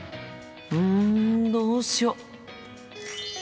うんどうしよう。